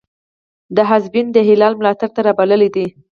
ده حزبیان د هلال ملاتړ ته را بللي دي.